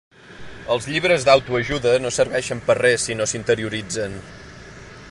Els llibres d"auto-ajuda no serveixen per res si no s"interioritzen.